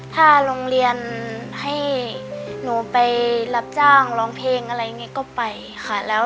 ถ้าโรงเรียนให้หนูไปรับจ้างหรอกลางเพลงก็ไปค่ะ